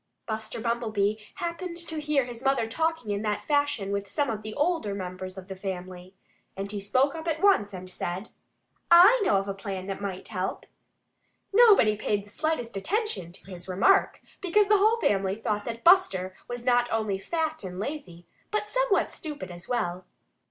Buster Bumblebee happened to hear his mother talking in that fashion with some of the older members of the family. And he spoke up at once and said: "I know of a plan that might help." Nobody paid the slightest attention to his remark, because the whole family thought that Buster was not only fat and lazy, but somewhat stupid as well.